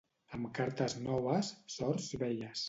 Amb cartes noves, sorts velles.